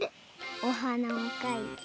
おはなをかいて。